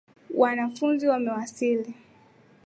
Wanafunzi wamewasili.